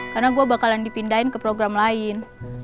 karena gue bakalan dipindahin ke program lain